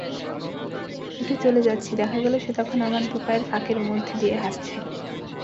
উঠে চলে যাচ্ছি, দেখা গেল সে তখন আমার দুপায়ের ফাঁকের মধ্যে দিয়ে হাঁটছে।